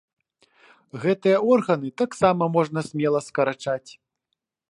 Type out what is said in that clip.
Гэтыя органы таксама можна смела скарачаць.